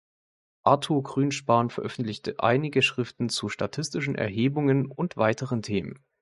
Arthur Grünspan veröffentlichte einige Schriften zu statistischen Erhebungen und weiteren Themen.